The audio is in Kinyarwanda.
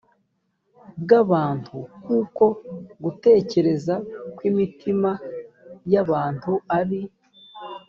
bw abantu kuko gutekereza kw imitima y abantu ari